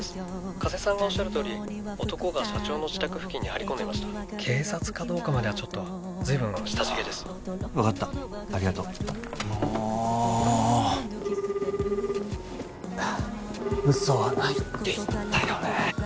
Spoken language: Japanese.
☎加瀬さんがおっしゃるとおり男が社長の自宅付近に☎張り込んでました警察かどうかまではちょっと☎随分親しげです分かったありがとうもう嘘はないって言ったよね